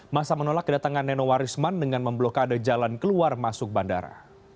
masa menolak kedatangan nenowarisman dengan memblokade jalan keluar masuk bandara